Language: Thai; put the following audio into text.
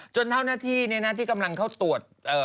จนเท่าหน้าที่นี่นะที่กำลังเข้าตรวจ